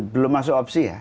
belum masuk opsi ya